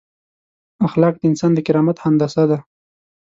اخلاق د انسان د کرامت هندسه ده.